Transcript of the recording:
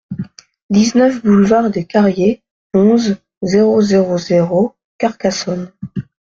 dix-neuf boulevard des Carriers, onze, zéro zéro zéro, Carcassonne